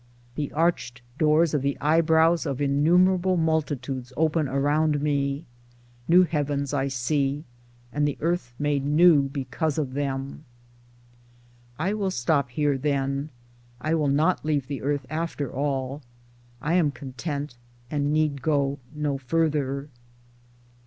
The arched doors of the eyebrows of innumerable multi tudes open around me : new heavens I see, and the earth made new because of them. I will stop here then. I will not leave the earth after all. I am content and need go no farther.